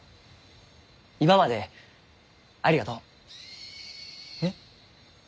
今までありがとう。えっ。